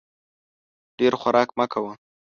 ډېر خوراک مه کوه !